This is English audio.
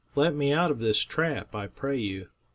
Let me out of this trap, I pray you.